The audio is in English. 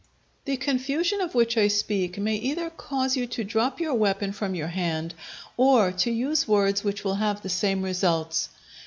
The confusion of which I speak may either cause you to drop your weapon from your hand, or to use words which will have the same results.